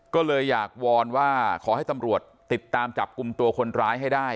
ก็เลยอยากวอนว่าขอให้ตำรวจติดตามจับกลุ่มตัวคนร้ายให้ได้